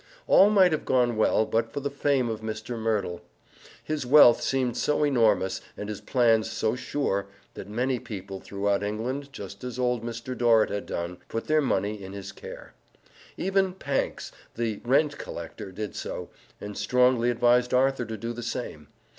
All might have gone well but for the fame of Mr. Merdle. His wealth seemed so enormous, and his plans so sure, that many people throughout England, just as old Mr. Dorrit had done, put their money in his care. Even Pancks, the rent collector, did so, and strongly advised Arthur to do the same.